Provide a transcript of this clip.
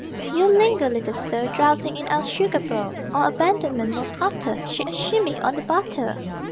Do you linger, little soul, Drowsing in our sugar bowl? Or, abandonment most utter, Shake a shimmy on the butter?